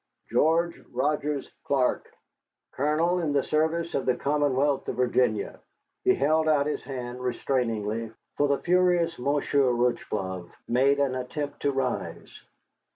"George Rogers Clark, Colonel in the service of the Commonwealth of Virginia." He held out his hand restrainingly, for the furious Monsieur Rocheblave made an attempt to rise.